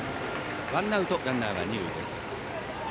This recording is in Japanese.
ワンアウトランナー、二塁です。